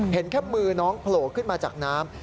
เห็นแค่มือน้องโผล่ขึ้นมาจากน้ำ